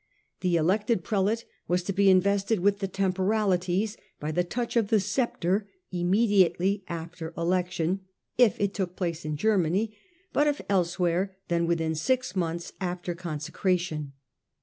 The elected prelate was to be invested with the temporalities by the touch of the sceptre, immediately after election, if it took place in Germany, but if elsewhere then within six months after consecration.